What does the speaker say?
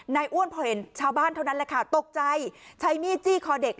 อ้วนพอเห็นชาวบ้านเท่านั้นแหละค่ะตกใจใช้มีดจี้คอเด็ก